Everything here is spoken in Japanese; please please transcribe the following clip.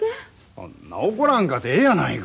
そんな怒らんかてええやないか。